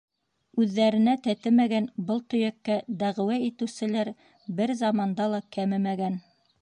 Үҙҙәренә тәтемәгән был төйәккә дәғүә итеүселәр бер заманда ла кәмемәгән.